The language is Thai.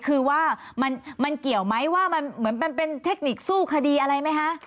คือว่ามันเกี่ยวไหมว่ามันเหมือนมันเป็นเทคนิคสู้คดีอะไรไหมคะ